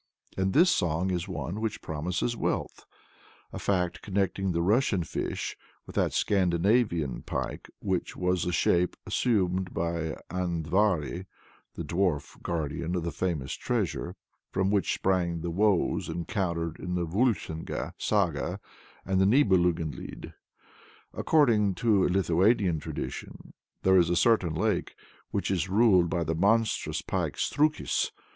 And this song is one which promises wealth, a fact connecting the Russian fish with that Scandinavian pike which was a shape assumed by Andvari the dwarf guardian of the famous treasure, from which sprang the woes recounted in the Völsunga Saga and the Nibelungenlied. According to a Lithuanian tradition, there is a certain lake which is ruled by the monstrous pike Strukis.